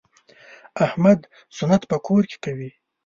احمد سنت په کور کې کوي.